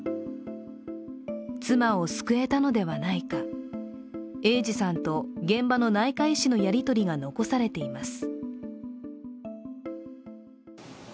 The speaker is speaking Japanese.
妻を救えたのではないか、英治さんと現場の内科医師のやり取りが残されています。